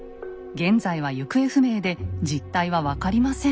現在は行方不明で実態は分かりません。